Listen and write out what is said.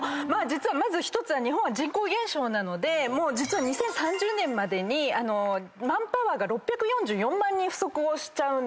まず１つは日本は人口減少なので実は２０３０年までにマンパワーが６４４万人不足をしちゃうんですよ。